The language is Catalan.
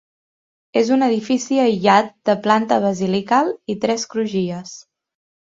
És un edifici aïllat de planta basilical i tres crugies.